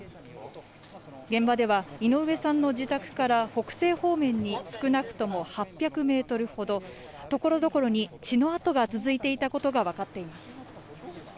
現場では井上さんの自宅から北西方面に少なくとも８００ｍほどところどころに血の跡が続いていたことが分かっています。